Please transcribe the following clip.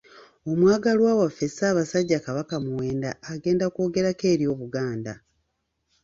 Omwagalwa waffe Ssabasajja Kabaka Muwenda agenda kwogerako eri Obuganda.